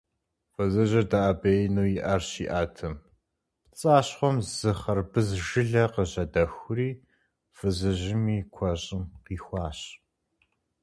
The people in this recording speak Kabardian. Фызыжьыр дэӀэбеину и Ӏэр щиӀэтым, пцӀащхъуэм зы хъэрбыз жылэ къыжьэдэхури фызыжьым и куэщӀыым къихуащ.